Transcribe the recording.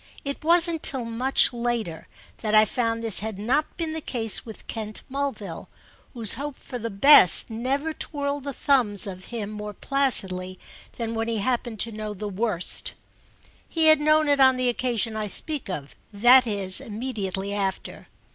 It wasn't till much later that I found this had not been the case with Kent Mulville, whose hope for the best never twirled the thumbs of him more placidly than when he happened to know the worst. He had known it on the occasion I speak of—that is immediately after.